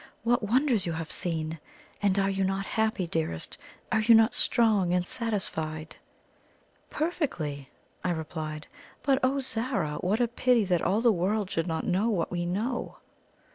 What wonders you have seen! And are you not happy, dearest? Are you not strong and satisfied?" "Perfectly!" I replied. "But, O Zara! what a pity that all the world should not know what we know!"